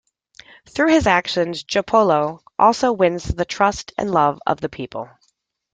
Through his actions, Joppolo also wins the trust and love of the people.